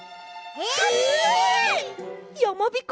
えっ！？